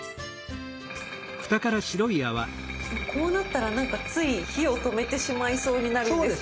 こうなったらなんかつい火を止めてしまいそうになるんですけど。